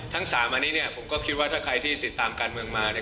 ทั้งสามอันนี้เนี่ยผมก็คิดว่าถ้าใครที่ติดตามการเมืองมาเนี่ย